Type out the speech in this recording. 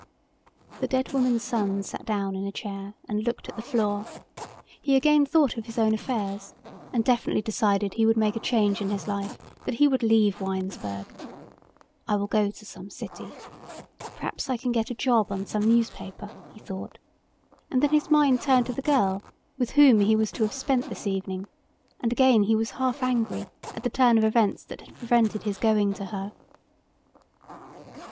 The dead woman's son sat down in a chair and looked at the floor. He again thought of his own affairs and definitely decided he would make a change in his life, that he would leave Winesburg. "I will go to some city. Perhaps I can get a job on some newspaper," he thought, and then his mind turned to the girl with whom he was to have spent this evening and again he was half angry at the turn of events that had prevented his going to her.